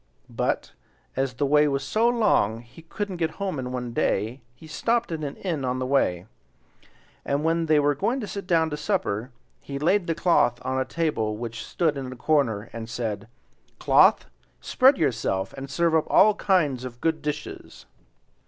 But, as the way was so long he couldn't get home in one day, he stopped at an inn on the way; and when they were going to sit down to supper, he laid the cloth on a table which stood in the corner and said: "Cloth, spread yourself, and serve up all kinds of good dishes."